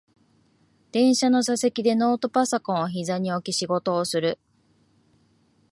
電車の座席でノートパソコンをひざに置き仕事をする